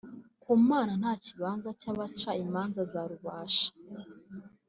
ku Mana nta kibanza cy’abaca imanza za Rubasha